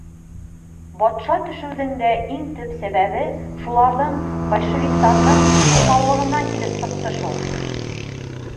Батша төшөүҙең дә иң төп сәбәбе шуларҙың, большевиктарҙың, уҫаллығынан килеп сыҡты шул.